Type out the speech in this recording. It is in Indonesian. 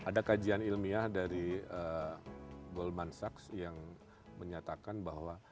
ada kajian ilmiah dari goldman sachs yang menyatakan bahwa